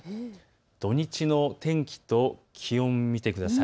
土日の天気と気温を見てください。